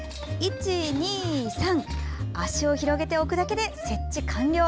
足を広げて置くだけで設置完了。